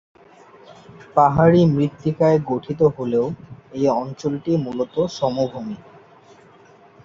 পাহাড়ী মৃত্তিকায় গঠিত হলেও এই অঞ্চলটি মূলত সমভূমি।